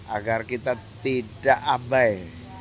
agar kita tidak abai